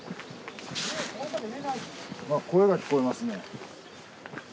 声が聞こえますね。